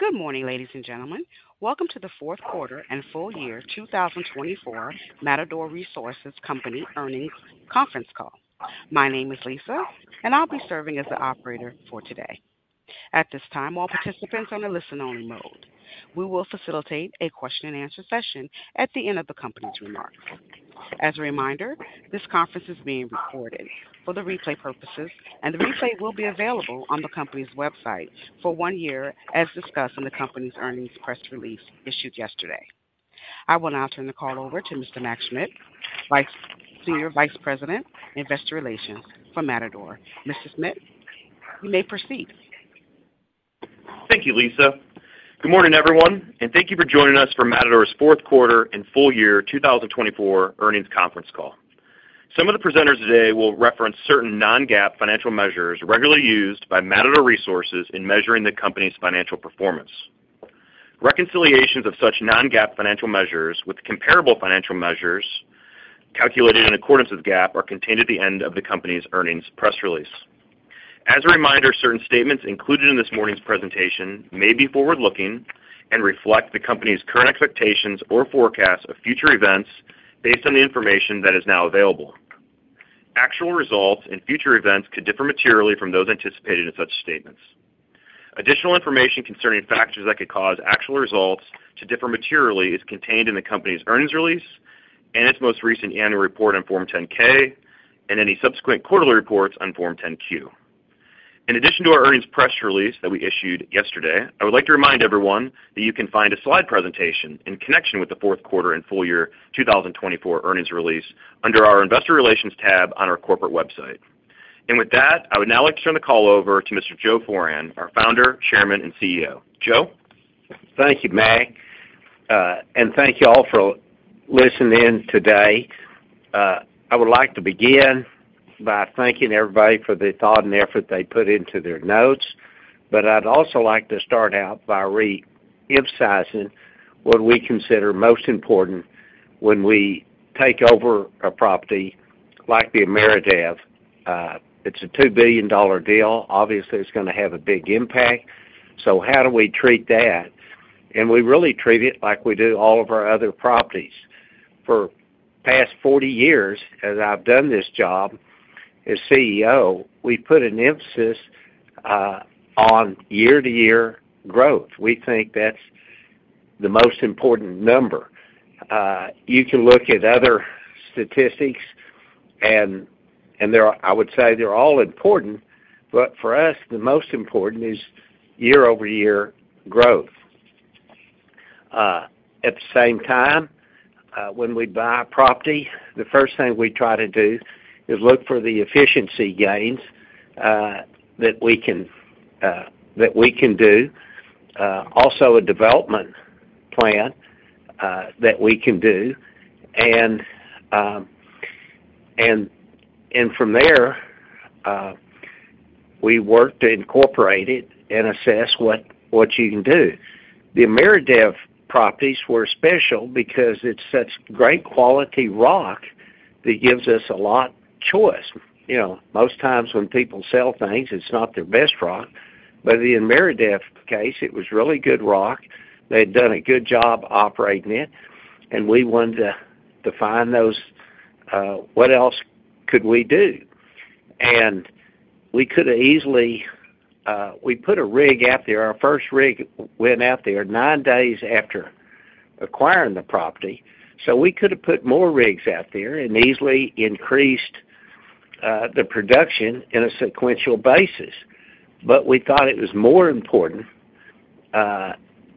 Good morning ladies and gentlemen. Welcome to the Q4 and Full Year 2024 Matador Resources Company Earnings Conference Call. My name is Lisa and I'll be serving as the operator for today. At this time, all participants are in a listen-only mode. We will facilitate a question and answer session at the end of the Company's remarks. As a reminder, this conference is being recorded for replay purposes and the replay will be available on the Company's website for 1 year, as discussed in the Company's earnings press release issued yesterday. I will now turn the call over to Mr. Mac Schmitz, Senior Vice President of Investor Relations for Matador. Mr. Schmidt, you may proceed. Thank you, Lisa. Good morning everyone and thank you for joining us for Matador's Q4 and Full Year 2024 Earnings Conference Call. Some of the presenters today will reference certain non-GAAP financial measures regularly used by Matador Resources in measuring the Company's financial performance. Reconciliations of such non-GAAP financial measures with comparable financial measures calculated in accordance with GAAP are contained at the end of the Company's earnings press release. As a reminder, certain statements included in this morning's presentation may be forward-looking and reflect the Company's current expectations or forecasts of future events. Based on the information that is now available, actual results and future events could differ materially from those anticipated in such statements. Additional information concerning factors that could cause actual results to differ materially is contained in the Company's earnings release and its most recent annual report on Form 10-K and any subsequent quarterly reports on Form 10-Q. In addition to our earnings press release that we issued yesterday, I would like to remind everyone that you can find a slide presentation in connection with the Q4 and full year 2024 earnings release under our investor relations tab on our corporate website, and with that, I would now like to turn the call over to Mr. Joe Foran, our Founder, Chairman and CEO. Thank you, Mac, and thank you all for listening in today. I would like to begin by thanking everybody for the thought and effort they put into their notes. But I'd also like to start out by re-emphasizing what we consider most important when we take over a property like the Ameredev. It's a $2 billion deal. Obviously it's going to have a big impact. So how do we treat that? And we really treat it like we do all of our other properties. For past 40 years, as I've done this job as CEO, we put an emphasis on year to year growth. We think that's the most important number you can look at other statistics, and I would say they're all important, but for us the most important is year over year growth. At the same time, when we buy property, the first thing we try to do is look for the efficiency gains that we can, that we can do. Also a development plan that we can do. From there. We work to incorporate it and assess what you can do. The Ameredev properties were special because it's such great quality rock that gives us a lot choice. You know, most times when people sell things it's not their best rock. But in Ameredev case it was really good rock. They'd done a good job operating it and we wanted to find those. What else could we do? And we could have easily. We put a rig out there, our first rig went out there nine days after acquiring the property. So we could have put more rigs out there and easily increased the production in a sequential basis. But we thought it was more important.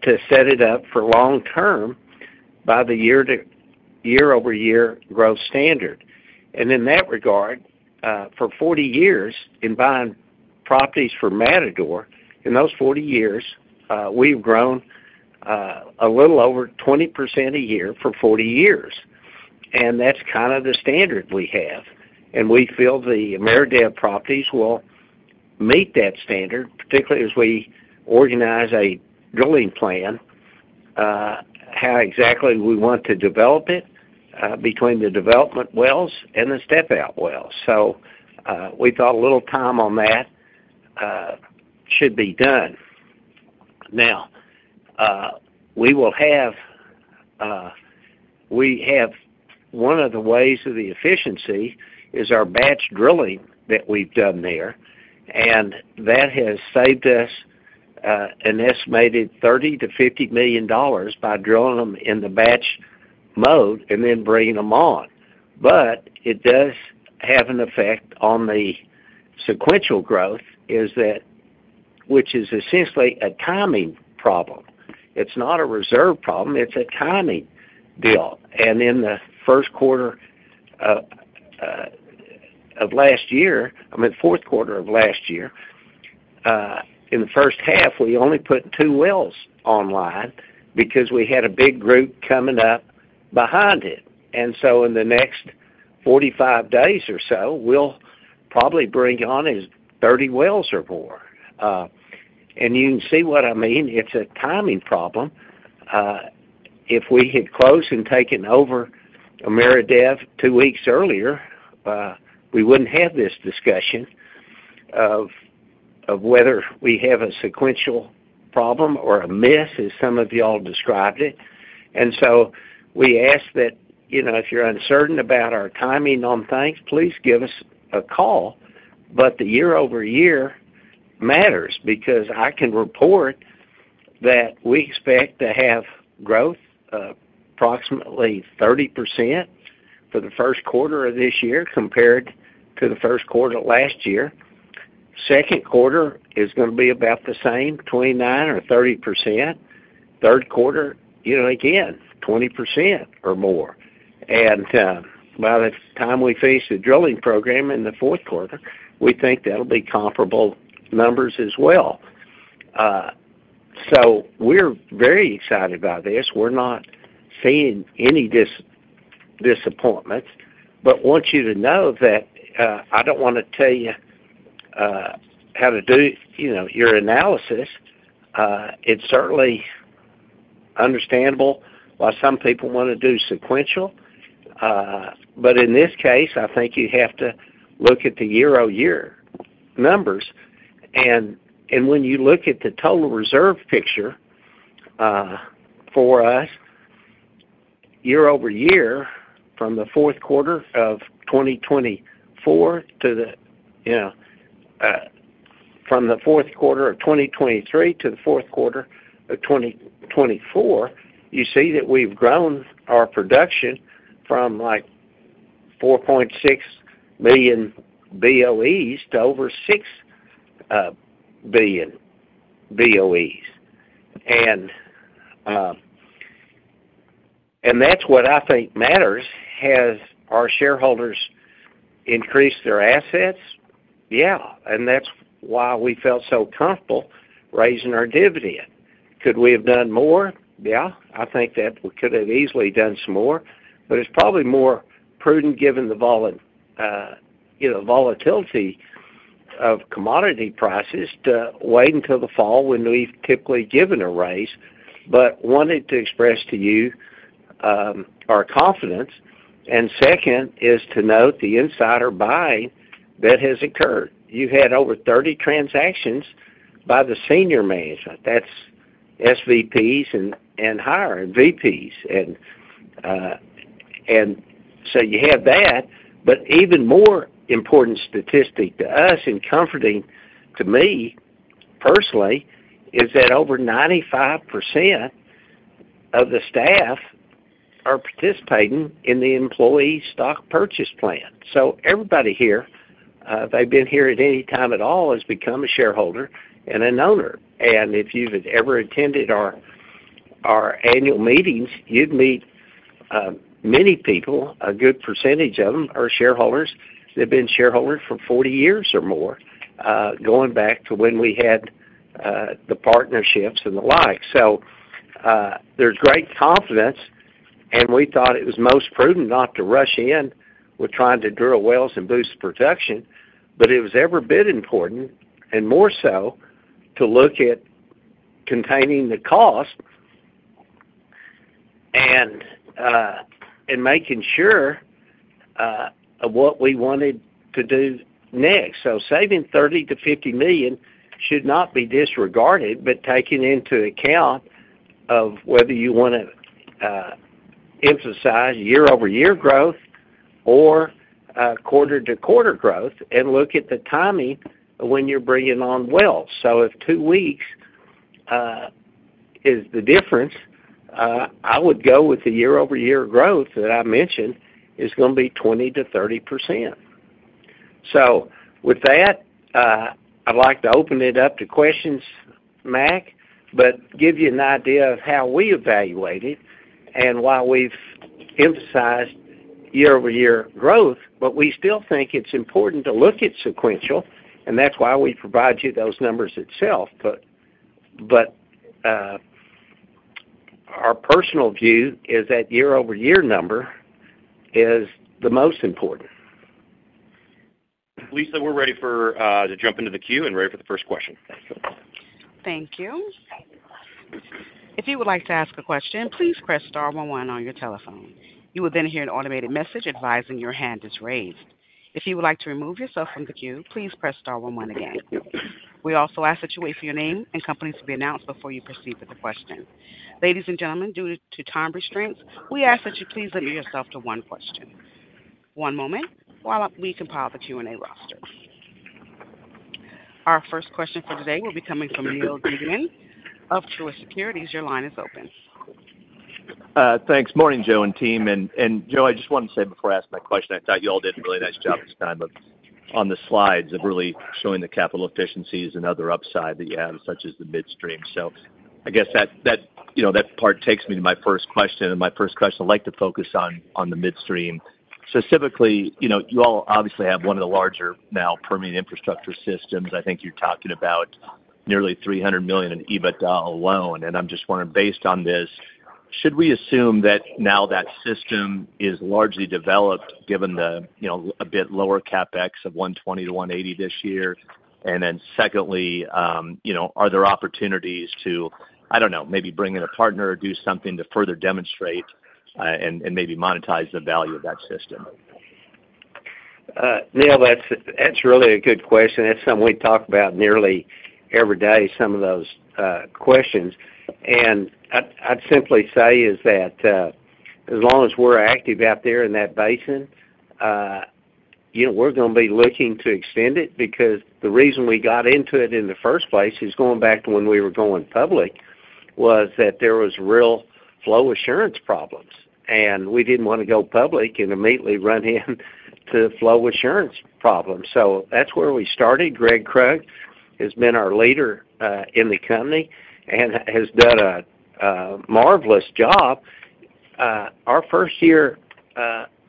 To set it up for long term by the year-over-year growth standard. And in that regard, for 40 years in buying properties for Matador, in those 40 years, we've grown a little over 20% a year for 40 years. And that's kind of the standard we have. And we feel the Ameredev properties will meet that standard, particularly as we organize a drilling plan. How exactly we want to develop it between the development wells and the step out wells. So we thought a little time on that. Should be done. Now we will have. We have. One of the ways of the efficiency is our batch drilling that we've done there. And that has saved us an estimated $30-50 million by drilling them in the batch mode and then bringing them on. But it does have an effect on the sequential growth, that is. Which is essentially a timing problem. It's not a reserve problem, it's a timing deal. And in the Q1 of last year, I mean Q4 of last year, in the first half we only put 2 wells online because we had a big group coming up behind it. And so in the next 45 days or so we'll probably bring on 30 wells or more. And you can see what I mean. It's a timing problem. If we had closed and taken over Ameredev two weeks earlier, we wouldn't have this discussion of whether we have a sequential problem or a miss as some of you all described it. And so we ask that if you're uncertain about our timing on things, please give us a call. But the year-over-year matters because I can report that we expect to have growth approximately 30% for the Q1 of this year compared to the Q1 last year, Q2 is going to be about the same, 29% or 30%. Q3, you know, again 20% or more. And by the time we finish the drilling program in the Q4, we think that will be comparable numbers as well. So we're very excited by this. We're not seeing any disappointments, but want you to know that I don't want to tell you how to do your analysis. It's certainly understandable why some people want to do sequential. But in this case I think you have to look at the year over year numbers. And when you look at the total reserve picture. For us. Year-over-year from the Q4 of 2024 to the, you know. From the Q4 of 2023 to the Q4 of 2024, you see that we've grown our production from like 4.6 million BOEs to over 6 billion BOEs. And. That's what I think matters. Has our shareholders increase their assets? Yeah, and that's why we felt so comfortable raising our dividend. Could we have done more? Yeah, I think that we could have easily done some more. But it's probably more prudent given the. Volatility of commodity prices to wait until the fall when we've typically given a raise but wanted to express to you our confidence. And second is to note the insider buying that has occurred. You had over 30 transactions by the senior management, that's SVPs and higher VPs. And so you have that. But even more important statistic to us, and comforting to me personally, is that over 95% of the staff are participating in the employee stock purchase plan. So everybody here, they've been here at any time at all, has become a shareholder and an owner. And if you've ever attended our annual meetings, you'd meet many people. A good percentage of them are shareholders. They've been shareholders for 40 years or more going back to when we had the partnerships and the like. So there's great confidence and we thought it was most prudent not to rush in with trying to drill wells and boost production. But it was every bit important and more so to look at containing the cost. Making sure. Of what we wanted to do next. So saving $30-50 million should not be disregarded, but taking into account of whether you want to emphasize year-over-year growth or quarter-to-quarter growth and look at the timing when you're bringing on. Well, so if two weeks. Is the difference. I would go with the year-over-year growth that I mentioned is going to be 20%-30%. So with that, I'd like to open it up to questions, Mac, but give you an idea of how we evaluate it and why. We've emphasized year-over-year growth, but we still think it's important to look at sequential and that's why we provide you those numbers itself. But. Our personal view is that year-over-year number is the most important. Lisa, we're ready to jump into the queue and ready for the first question. Thank you. If you would like to ask a question, please press * 11 on your telephone. You will then hear an automated message advising your hand is raised. If you would like to remove yourself from the queue, please press * 11 again. We also ask that you wait for your name and company to be announced before you proceed with the question. Ladies and gentlemen, due to time restraints, we ask that you please limit yourself to one question. One moment while we compile the Q and A roster. Our first question for today will be coming from Neal Dingmann of Truist Securities. Your line is open. Thanks. Morning, Joe and team. And Joe, I just wanted to say before I ask my question, I thought you all did a really nice job this time on the slides of really showing the capital efficiencies and other upside that you have, such as the midstream. So I guess that, you know, that part takes me to my first question, and my first question I'd like to focus on the midstream specifically. You know, you all obviously have one of the larger now Permian infrastructure systems. I think you're talking about nearly $300 million in EBITDA alone. And I'm just wondering based on this, should we assume that now that system is largely developed given the a bit lower CapEx of $120-180 million this year. And then secondly, are there opportunities to, I don't know, maybe bring in a partner or do something to further demonstrate and maybe monetize the value of that system? Neal, that's really a good question. That's something we talk about nearly everybody every day. Some of those questions, and I'd simply say is that as long as we're active out there in that basin. We're going to be looking to extend it because the reason we got into it in the first place is going back to when we were going public was that there was real flow assurance problems and we didn't want to go public and immediately run into flow assurance problem. So that's where we started. Gregg Krug has been our leader in the company and has done a marvelous job. Our first year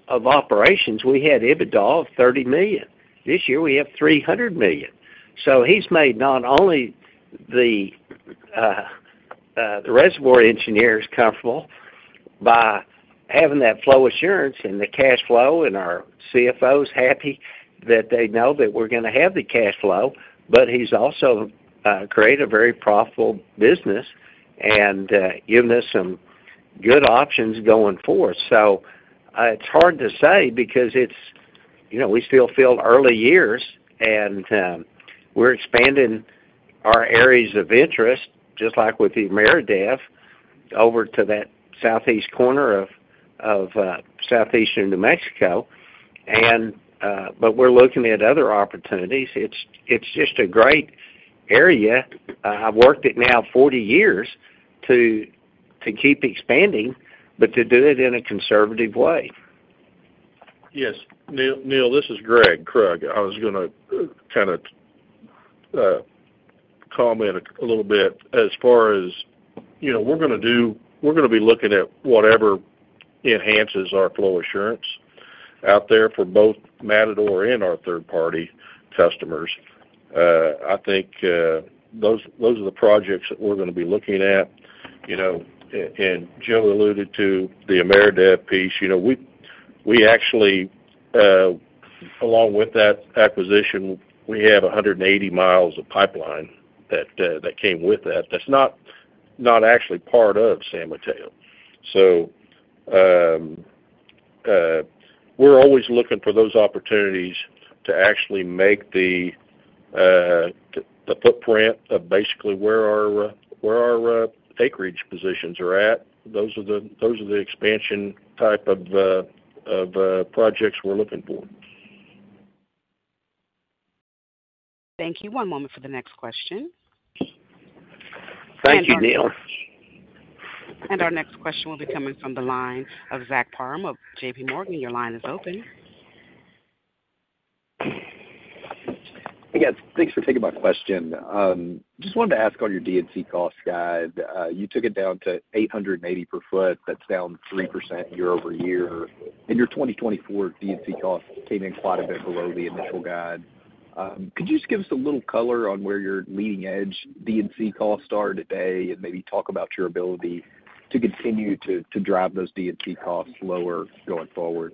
of operations we had EBITDA of $30 million. This year we have $300 million. So he's made not only the. Reservoir engineers comfortable by having that flow assurance and the cash flow. And our CFO is happy that they know that we're going to have the cash flow, but he's also created a very profitable business and given us some good options going forth. So it's hard to say because it's, you know, we still feel early years and we're expanding our areas of interest, just like with the Ameredev over to that southeast corner of southeastern New Mexico. But we're looking at other opportunities. It's just a great area. I've worked it now 40 years to keep expanding, but to do it in a conservative way. Yes, Neal, this is Gregg Krug. I was going to kind of. Comment a little bit. As far as, you know, we're going to do, we're going to be looking at whatever enhances our flow assurance out there for both Matador and our third party customers. I think those are the projects that we're going to be looking at. You know, and Joe alluded to the Ameredev piece. You know, we actually. Along with that acquisition, we have 180 miles of pipeline that came with that, that's not actually. Part of San Mateo. So. We're always looking for those opportunities to actually make the. Footprint of basically where our acreage positions are at. Those are the expansion type of projects we're looking for. Thank you. One moment for the next question. Thank you, Neal. Our next question will be coming from the line of Zach Parham of JPMorgan. Your line is open. Thanks for taking my question. Just wanted to ask, on your D&C. Cost guide, you took it down to $880 per foot. That's down 3% year-over-year. And your 2024 D&C costs came in. Quite a bit below the initial guidance. Could you just give us a little color on where your leading edge D&C. Costs are today and maybe talk about. Your ability to continue to drive those. D&C costs lower going forward?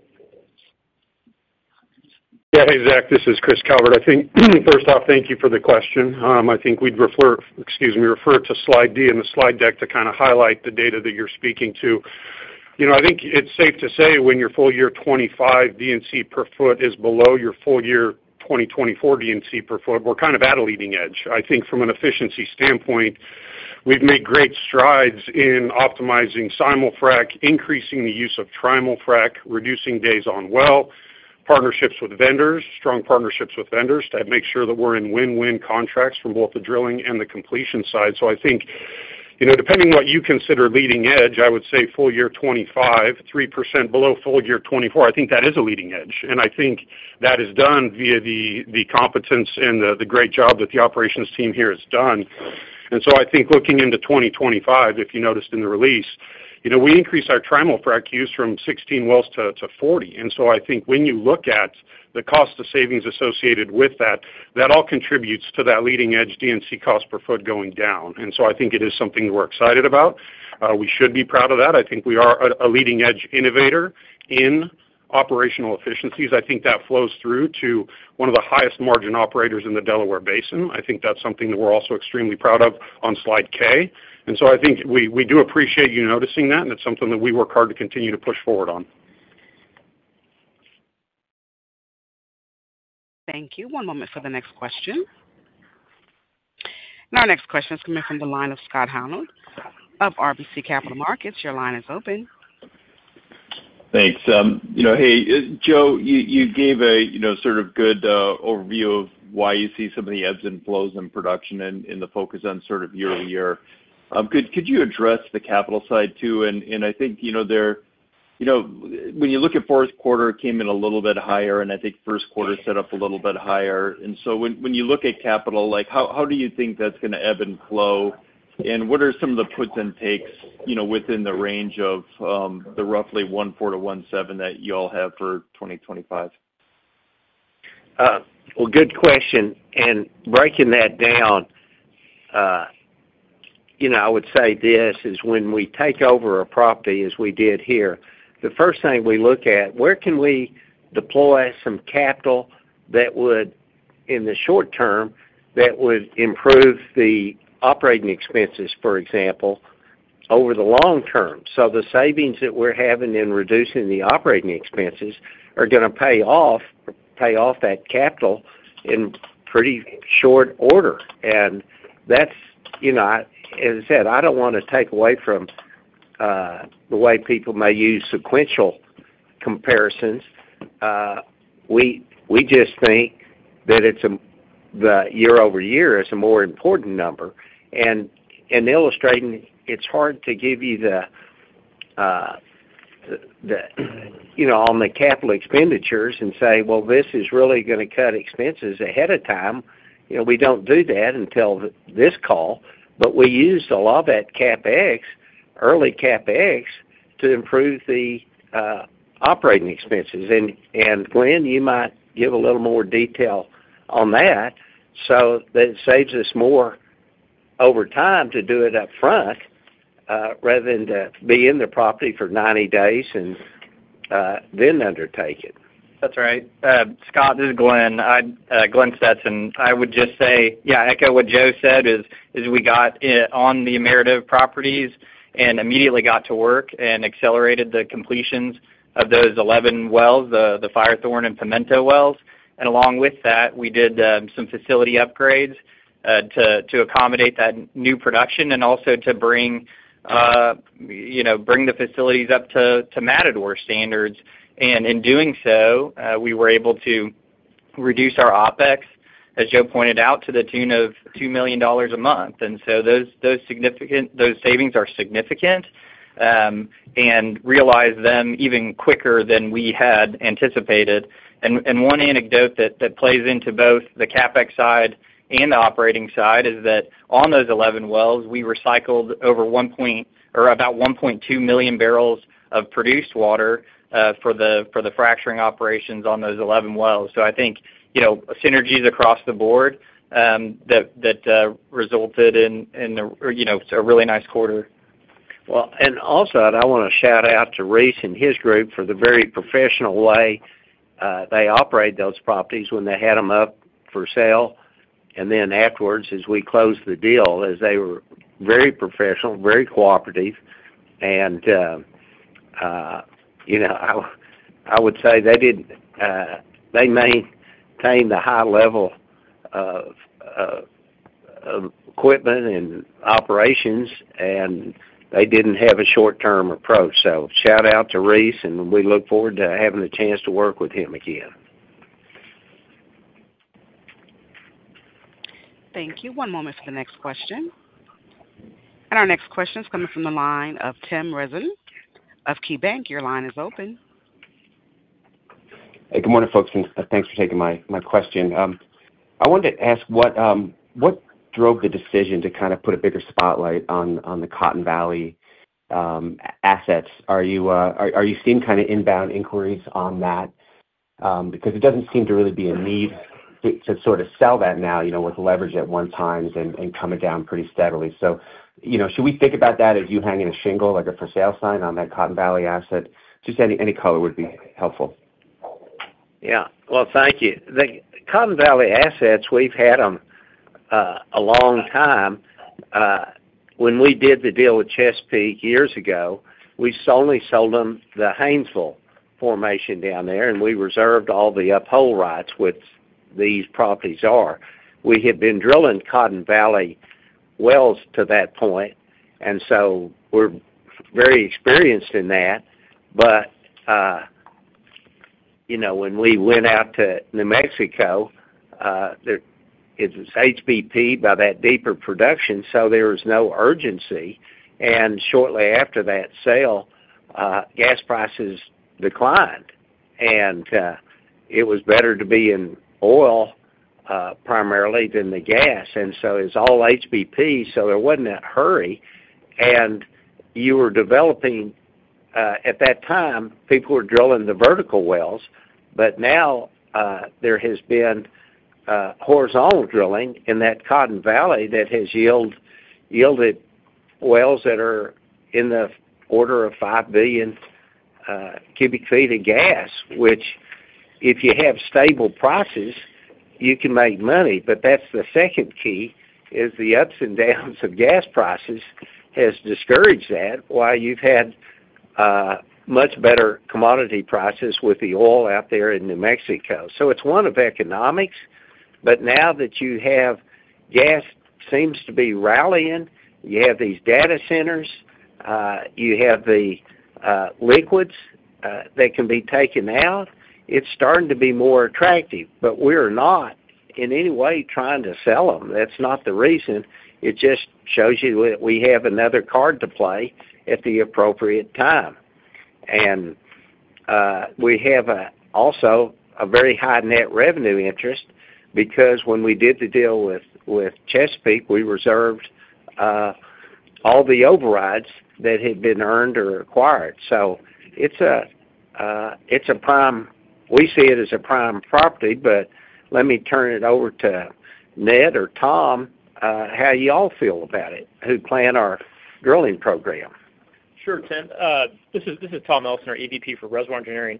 Hey, Zach, this is Chris Calvert. I think first off, thank you for the question. I think we'd refer, excuse me, refer to slide 3 in the slide deck to kind of highlight the data that you're speaking to. You know, I think it's safe to say when your full year 2025 D&C per foot is below your full year 2024 D&C per foot, we're kind of at a leading edge. I think from an efficiency standpoint, we've made great strides in optimizing Simul-Frac, increasing the use of Trimul-Frac, reducing days on well, partnerships with vendors, strong partnerships with vendors to make sure that we're in win win contracts from both the drilling and the completion side. So I think, you know, depending what you consider leading edge, I would say full year 2025, 3% below full year 2024. I think that is a leading edge and I think that is done via the competence and the great job that the operations team here has done. And so I think looking into 2025, if you noticed in the release, we increased our Trimul-Frac for our Qs from 16 wells to 40. And so I think when you look at the cost savings associated with that, that all contributes to that leading edge D&C cost per foot going down. And so I think it is something we're excited about. We should be proud of that. I think we are a leading edge innovator in operational efficiencies. I think that flows through to one of the highest margin operators in the Delaware Basin. I think that's something that we're also extremely proud of on slide K. And so I think we do appreciate you noticing that. It's something that we work hard to continue to push forward on. Thank you. One moment for the next question. Our next question is coming from the line of Scott Hanold of RBC Capital Markets. Your line is open. Thanks. Hey Joe, you gave a sort of good overview of why you see some of the ebbs and flows in production and the focus on sort of year over year. Could you address the capital side too? And I think. When you look at. Q4 came in a little bit higher and I think Q1 set up a little bit higher. And so when you look at capital, how do you think that's going to ebb and flow? And what are some of the puts and takes within the range of the roughly 1.4%-1.7% that you all have for 2025? Well, good question. And breaking that down. You know, I would say this is when we take over a property, as we did here, the first thing we look at where can we deploy some capital that would in the short term that would improve the operating expenses, for example, over the long term. So the savings that we're having in reducing the operating expenses are going to pay off that capital in pretty short order. That's, you know, as I said, I don't want to take away from the way people may use sequential capital comparisons. We just think that year-over-year is a more important number, and illustrating it's hard to give you. You know, on the capital expenditures and say, well, this is really going to cut expenses ahead of time. You know, we don't do that until this call. But we used a lot of that CapEx, early CapEx to improve the operating expenses. And Glenn, you might give a little more detail on that so that it saves us more over time to do it up front rather than to be in the property for 90 days and then undertake it. That's right. Scott, this is Glenn. Glenn Stetson. I would just say, yeah, Echo, what Joe said is we got on the Ameredev properties and immediately got to work and accelerated the completions of those 11 wells, the Firethorn and Pimento wells, and along with that we did some facility upgrades to accommodate that new production and also to. Bring the facilities up to Matador standards. And in doing so we were able to reduce our OpEx, as Joe pointed out, to the tune of $2 million a month, and so those savings are significant. Realize them even quicker than we had anticipated. One anecdote that plays into both the CapEx side and the operating side is that on those 11 wells we recycled over 1 point or about 1.2 million barrels of produced water for the fracturing operations on those 11 wells. I think synergies across the board that resulted in a really nice quarter, well. Also, I want to shout out to Reese and his group for the very professional way they operate those properties when they had them up for sale and then afterwards as we closed the deal, as they were very professional, very cooperative and. You know, I would say they didn't, they maintained the high level of. Equipment and operations and they didn't have a short-term approach, so shout out to Reese and we look forward to having the chance to work with him again. Thank you. One moment for the next question. Our next question is coming from the line of Tim Rezvan of KeyBanc. Your line is open. Good morning, folks, and thanks for taking my question. I wanted to ask what drove the decision to kind of put a bigger spotlight on the Cotton Valley assets. Are you seeing kind of inbound inquiries on that? Because it doesn't seem to really be a need to sort of sell that now with leverage at one times and coming down pretty steadily. So should we think about that as you hanging a shingle like a for sale sign on that Cotton Valley asset? Just any color would be helpful. Yeah, well, thank you. The Cotton Valley assets, we've had them a long time. When we did the deal with Chesapeake years ago, we only sold them the Haynesville formation down there and we reserved all the uphole rights which these properties are. We had been drilling Cotton Valley wells to that point and so we're very experienced in that. But. You know, when we went out to New Mexico. It was HBP by that deeper production. So there was no urgency. And shortly after that sale, gas prices declined and it was better to be in oil primarily than the gas. And so it's all HBP. So there wasn't that hurry. And you were developing. At that time people were drilling the vertical wells. But now there has been horizontal drilling in that Cotton Valley that has yielded wells that are in the order of five billion cubic feet of gas, which if you have stable prices, you can make money. But that's the second key. The ups and downs of gas prices has discouraged that while you've had much better commodity prices with the oil out there in New Mexico. So it's one of economics. But now that you have, gas seems to be rallying. You have these data centers, you have the liquids that can be taken out. It's starting to be more attractive. But we are not in any way trying to sell them. That's not the reason. It just shows you that we have another card to play at the appropriate time. We have also a very high net revenue interest because when we did the deal with Chesapeake, we reserved all the overrides that had been earned or acquired. So. It's a prime, we see it as a prime property. But let me turn it over to Ned or Tom. How you all feel about it, who plan our drilling program. Sure, Tim, this is Tom Elsener, our EVP for reservoir engineering.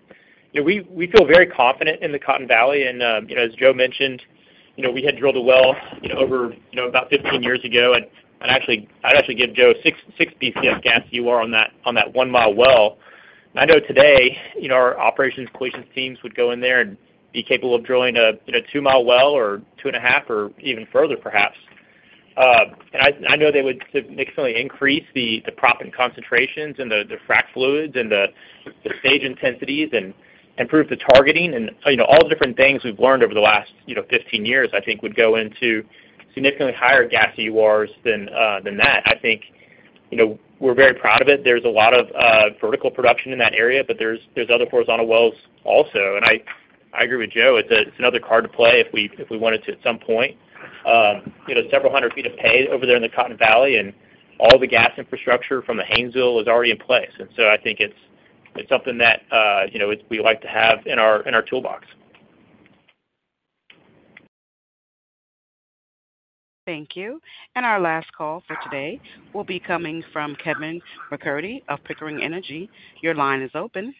We feel very confident in the Cotton Valley and as Joe mentioned, we had drilled a well over about 15 years. ago and I'd actually give Joe six. Bcf gas EUR on that one-mile well. I know today our operations and completions teams would go in there and be capable of drilling a two-mile well or two-and-a-half or even further perhaps. I know they would significantly increase the proppant concentrations and the frac fluids and the stage intensities and improve the targeting. And all different things we've learned over the last 15 years, I think, would. Go into significantly higher gas EURs than that. I think we're very proud of it. There's a lot of vertical production in that area, but there's other horizontal wells also. And I agree with Joe, it's another. Card to play if we wanted to. At some point several hundred feet of pay over there in the Cotton Valley. And all the gas infrastructure from the Haynesville is already in place. So I think it's something that we. Like to have in our toolbox. Thank you. And our last call for today will be coming from Kevin MacCurdy of Pickering Energy. Your line is open.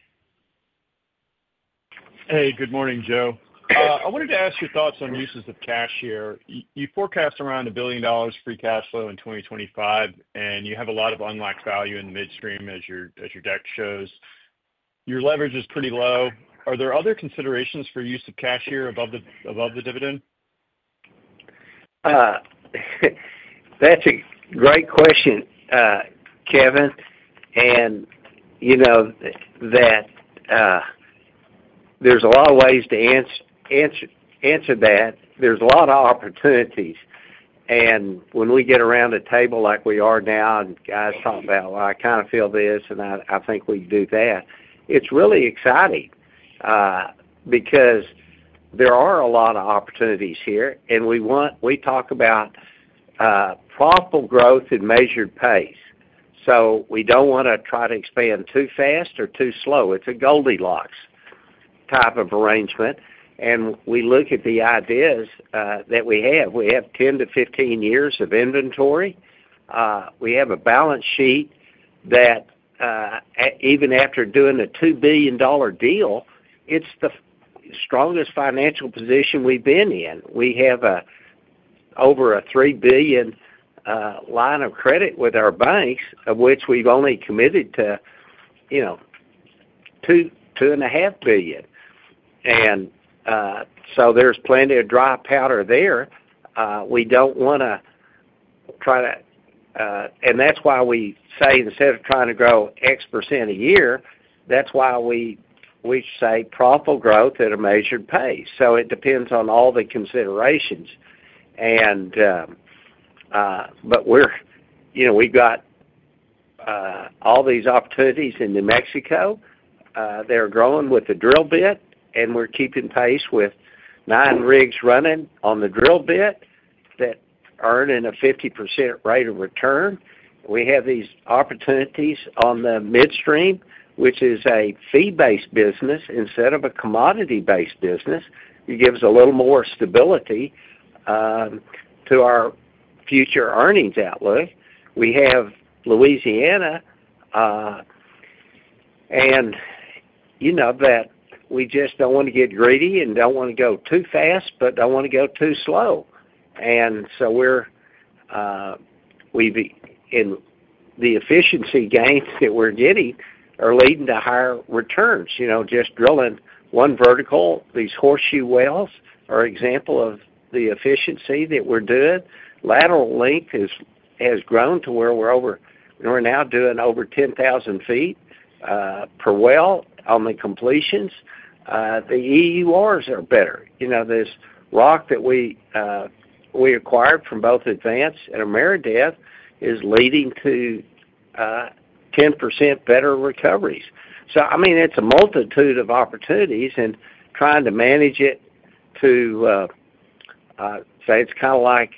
Hey, good morning, Joe. I wanted to ask your thoughts on. Uses of cash here. You forecast around $1 billion free cash flow in 2025, and you have a lot of unlocked value in the midstream. As your deck shows, your leverage is pretty low. Are there other considerations for use of? Cash flow above the dividend? That's a great question, Kevin. And you know that. There's a lot of ways to answer that. There's a lot of opportunities. And when we get around a table like we are now and guys talk about, well, I kind of feel this and I think we can do that, it's really exciting. Because there are a lot of opportunities here. And we talk about profitable growth and measured pace. So we don't want to try to expand too fast or too slow. It's a Goldilocks type of arrangement. And we look at the ideas that we have. We have 10 to 15 years of inventory. We have a balance sheet that even after doing a $2 billion deal, it's the strongest financial position we've been in. We have over a $3 billion line of credit with our banks of which we've only committed to, you know, $2.5 billion. And so there's plenty of dry powder there. We don't want to try to. And that's why we say instead of trying to grow x% a year, that's why we say profitable growth at a measured pace. So it depends on all the considerations. And. But we're, you know, we've got all these opportunities in New Mexico. They're growing with the drill bit and we're keeping pace with nine rigs running on the drill bit that earning a 50% rate of return. We have these opportunities on the midstream, which is a fee based business instead of a commodity based business. It gives a little more stability. To our future earnings outlook. We have Louisiana. You know that we just don't want to get greedy and don't want to go too fast, but don't want to go too slow. So we're. The efficiency gains that we're getting are leading to higher returns. You know, just drilling one vertical. These Horseshoe wells are an example of the efficiency that we're doing. Lateral length has grown to where we're over. We're now doing over 10,000 ft per well on the completions, the EURs are better. This rock that we acquired from both Advance and Ameredev is leading to. 10% better recoveries. So, I mean, it's a multitude of opportunities and trying to manage it. To. Say it's kind of like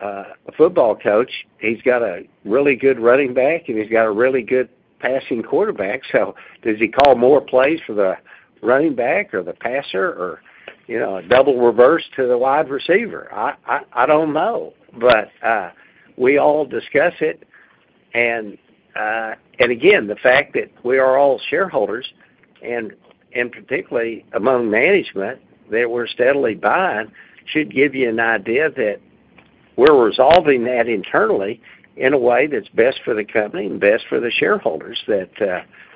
a football coach. He's got a really good running back and he's got a really good passing quarterback. So does he call more plays for the running back or the passer or, you know, a double reverse to the wide receiver? I don't know, but we all discuss it. And again, the fact that we are all shareholders, and particularly among management that we're steadily buying should give you an idea that we're resolving that internally in a way that's best for the company and best for the shareholders, that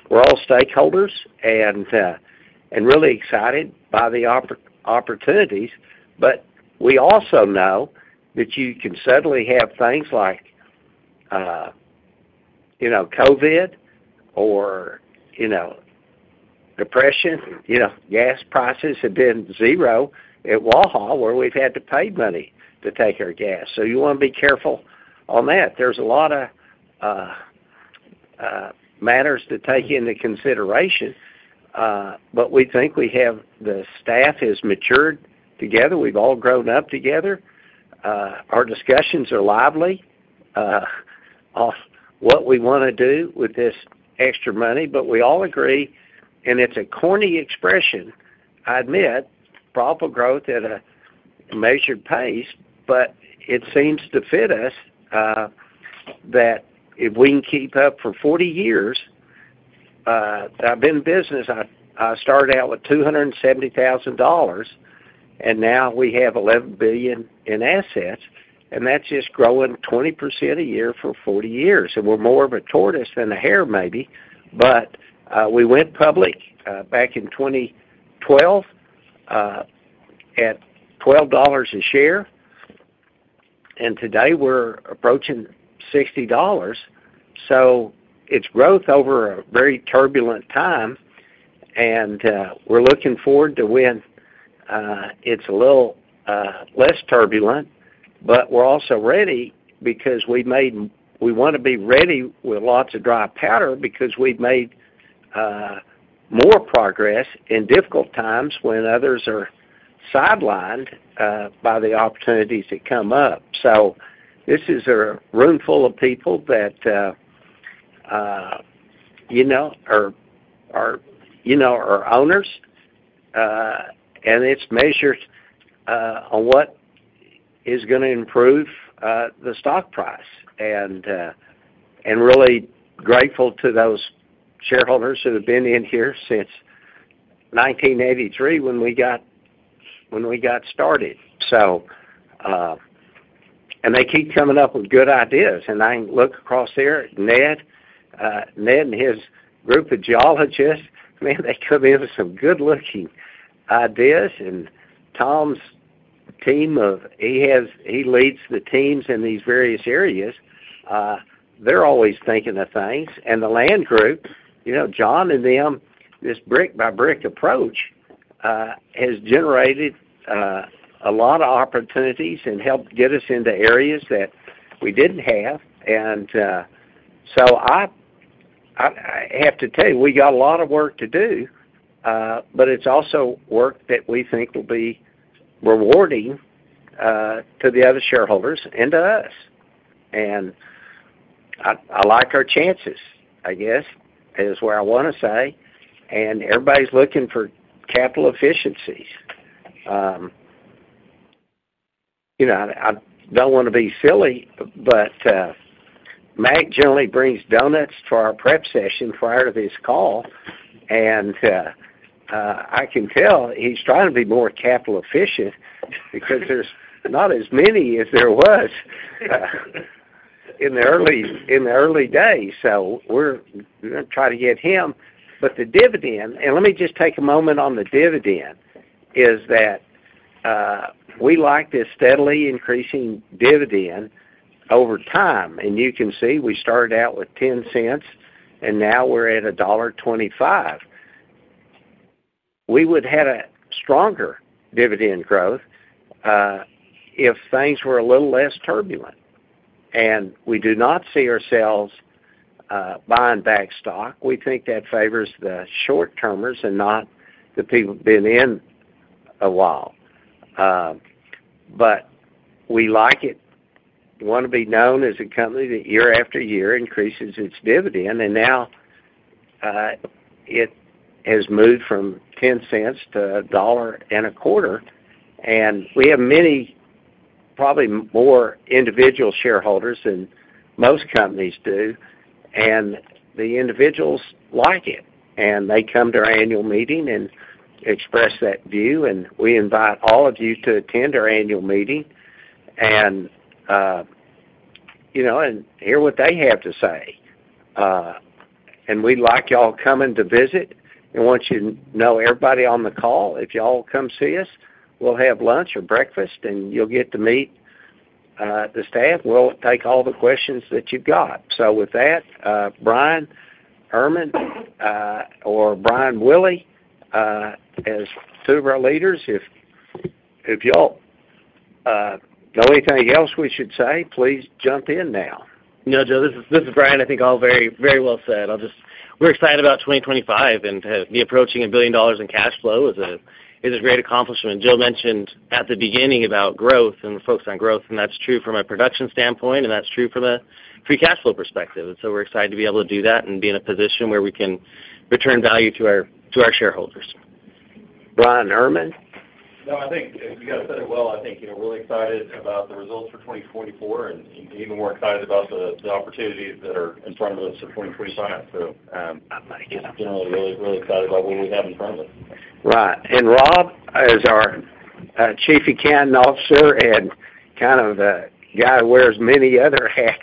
we're all stakeholders and really excited by the opportunities. But we also know that you can suddenly have things like. Covid or. Depression. Gas prices have been zero at Waha, where we've had to pay money to take our gas. So you want to be careful on that. There's a lot of. Matters to take into consideration, but we think we have. The staff has matured together, we've all grown up together. Our discussions are lively on what we want to do with this extra money. But we all agree, and it's a corny expression, I admit, proper growth at a measured pace. But it seems to fit us that if we can keep up for 40 years. I've been in business. I started out with $270,000, and now we have $11 billion in assets, and that's just growing 20% a year for 40 years. And we're more of a tortoise than a hare, maybe. But we went public back in 2012. At $12 a share. Today we're approaching $60. It's growth over a very turbulent time, and we're looking forward to when it's a little less turbulent. We're also ready because we want to be ready with lots of dry powder, because we've made. More progress in difficult times when others are sidelined by the opportunities that come up. So this is a room full of people that. You know, our, you know, our owners. And it's measured on what is going to improve the stock price. And really grateful to those shareholders that have been in here since 1983 when we got started. And they keep coming up with good ideas. And I look across there, Ned and his group of geologists, they come in with some good looking ideas. And Tom's team, he leads the teams in these various areas. They're always thinking of things. And the land group, you know, John and them, this brick by brick approach has generated a lot of opportunities and helped get us into areas that we didn't have. And so I have to tell you, we got a lot of work to do. But it's also work that we think will be rewarding to the other shareholders and to us. And I like our chances, I guess is where I want to say. And everybody's looking for capital efficiencies. You know, I don't want to be silly, but Mac generally brings donuts for our prep session prior to this call, and I can tell he's trying to be more capital efficient because there's not as many as there was. In the early days. So we're going to try to get him. But the dividend, and let me just take a moment on the dividend, is that we like this steadily increasing dividend over time. And you can see we started out with $0.10 and now we're at $1.25. We would have a stronger dividend growth if things were a little less turbulent, and we do not see ourselves buying back stock. We think that favors the short-termers and not the people been in a while. But we like it. We want to be known as a company that year after year increases its dividend and now. It has moved from $0.10 to 1.25. And we have many, probably more individual shareholders than most companies do and the individuals like it and they come to our annual meeting and express that view. And we invite all of you to attend our annual meeting and. You know and hear what they have to say. And we'd like you all coming to visit. And once you know everybody on the call, if y'all come see us, we'll have lunch or breakfast and you'll get to meet the staff. We'll take all the questions that you've got. So with that Bryan Erman or Brian Willey as two of our leaders, if you all know anything else we should say, please jump in now. Joe, this is Bryan. I think all very well said. We're excited about 2025 and to be approaching $1 billion in cash flow is a great accomplishment. Joe mentioned at the beginning about growth and focused on growth. And that's true from a production standpoint and that's true from a free cash flow perspective. So we're excited to be able to do that and be in a position where we can return value to our, to our shareholders. Bryan Erman No, I think you guys said it well. I think we're really excited about the. Results for 2024 and even more excited about the opportunities that are in front of us for 2025. Science generally. Really, really excited about what we have in front of us. Right. And Rob, as our Chief Accounting Officer and kind of a guy who wears many other hats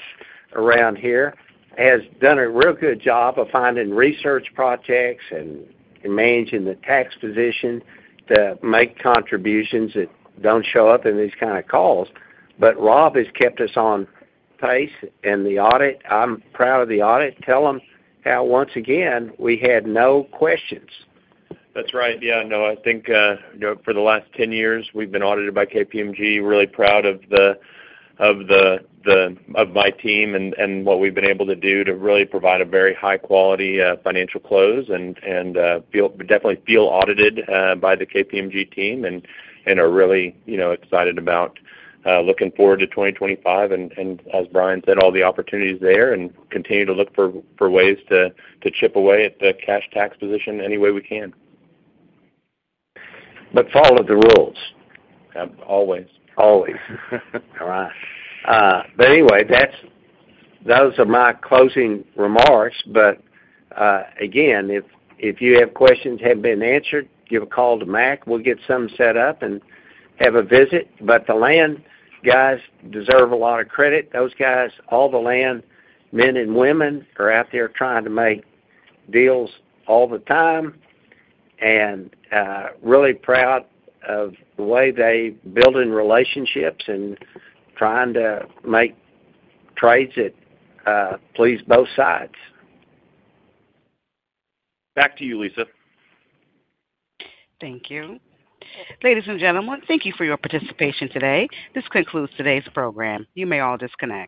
around here, has done a real good job of finding research projects and managing the tax position to make contributions that don't show up in these kind of calls. But Rob has kept us on pace. And the audit, I'm proud of the audit. Tell them how once again we had no questions. That's right. Yeah. No, I think for the last 10 years we've been audited by KPMG. Really proud of the. Of my team. What we've been able to do to really provide a very high quality financial close and definitely feel audited by the KPMG team and are really excited about looking forward to 2025 and as Bryan said, all the opportunities there and continue to look for ways to chip away at the cash tax position any way we can. Follow the rules. Always. Always. But anyway, those are my closing remarks. But again, if you have questions haven't been answered, give a call to Mac. We'll get some set up and have a visit. But the land guys deserve a lot of credit. Those guys, all the land men and women are out there trying to make deals all the time and really proud of the way they building relationships and trying to make trades that please both sides. Back to you, Lisa. Thank you, ladies and gentlemen. Thank you for your participation today. This concludes today's program. You may all disconnect.